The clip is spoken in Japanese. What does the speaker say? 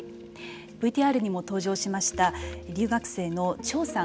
ＶＴＲにも登場しました留学生の張さん。